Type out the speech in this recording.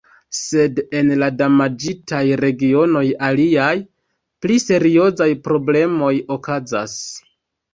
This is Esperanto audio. Sed en la damaĝitaj regionoj aliaj, pli seriozaj problemoj okazas.